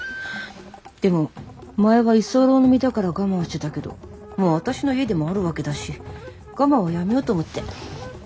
でも前は居候の身だから我慢してたけどもう私の家でもあるわけだし我慢はやめようと思って。